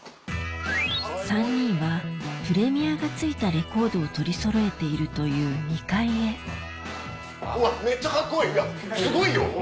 ３人はプレミアがついたレコードを取りそろえているという２階へうわめっちゃカッコいいいやすごいよ！